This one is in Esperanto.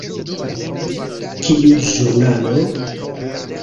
Kiu ĵurnalo?